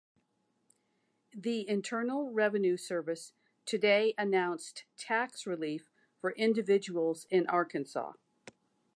The Internal Revenue Service today announced tax relief for individuals in Arkansas.